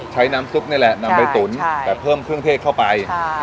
น้ำซุปนี่แหละนำไปตุ๋นแต่เพิ่มเครื่องเทศเข้าไป